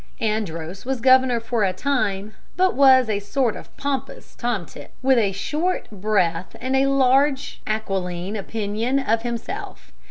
Andros was governor for a time, but was a sort of pompous tomtit, with a short breath and a large aquiline opinion of himself.